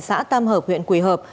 xã tam hợp huyện quỳ hợp